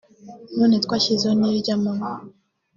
none twashyizeho n’iry’amanywa